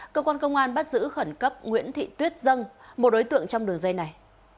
cơ quan công an bắt giữ khẩn cấp nguyễn thị tuyết dân một đối tượng trong đường dây này